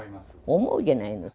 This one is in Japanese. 思うじゃないの。